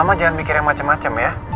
kira kira macem macem ya